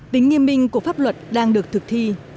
tính nghiêm minh của pháp luật đang được thực thi